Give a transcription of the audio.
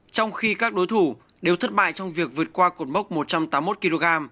trong khi các đối thủ đều thất bại trong việc vượt qua cột mốc một trăm tám mươi một kg